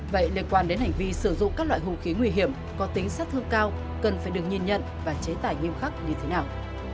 vậy liên quan đến hành vi sử dụng các loại hung khí nguy hiểm có tính sát thương cao cần phải được nhìn nhận và chế tải nghiêm khắc như thế nào